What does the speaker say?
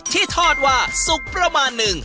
ที่ทอดว่าสุกประมาณหนึ่ง